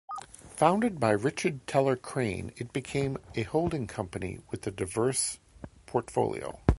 Founded by Richard Teller Crane, it became a holding company with a diverse portfolio.